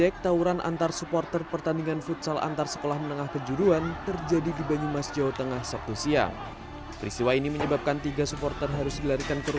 kepala kepala kepala